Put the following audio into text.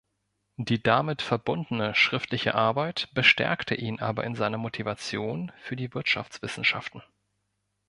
Die damit verbundene schriftliche Arbeit bestärkte ihn aber in seiner Motivation für die Wirtschaftswissenschaften.